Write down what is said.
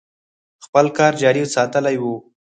خپل کار جاري ساتلی و.